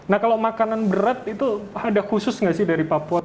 nah kalau makanan berat itu ada khusus nggak sih dari papua